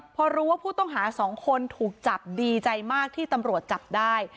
พอรู้ว่าผู้ต้องหาสองคนถูกจับดีใจมากที่ตำรวจจับได้